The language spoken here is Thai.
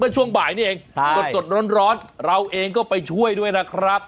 ช่วงบ่ายนี้เองสดร้อนเราเองก็ไปช่วยด้วยนะครับ